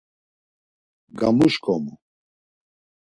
Gamuşǩomu.